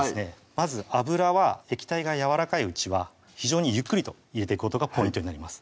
まず油は液体がやわらかいうちは非常にゆっくりと入れていくことがポイントになります